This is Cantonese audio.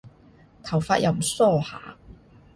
頭髮又唔梳下